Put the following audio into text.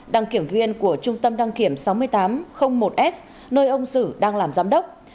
đăng kiểm viên của trung tâm đăng kiểm sáu mươi tám một s nơi ông sử đang làm giám đốc